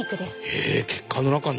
え血管の中に？